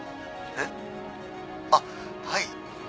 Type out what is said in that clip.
☎えっあっはい